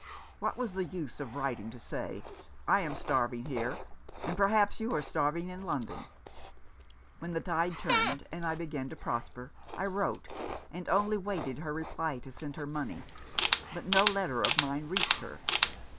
What was the use of writing to say: 'I am starving here — and, perhaps, you are starving in London '? When the tide turned, and I began to prosper, I wrote, and only waited her reply to send her money ; but no letter of mine reached her.